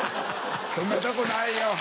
そんなとこないよ。